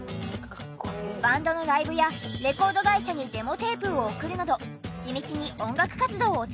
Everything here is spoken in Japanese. バンドのライブやレコード会社にデモテープを送るなど地道に音楽活動を続け。